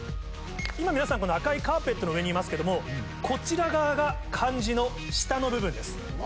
今皆さんこの赤いカーペットの上にいますけどもこちら側が漢字の下の部分です。